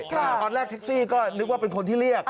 ตอนแรกแท็กซี่ก็นึกว่าเป็นคนที่เรียก